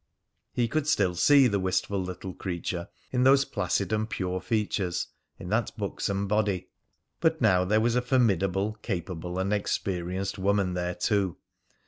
He could still see the wistful little creature in those placid and pure features, in that buxom body; but now there was a formidable, capable, and experienced woman there too.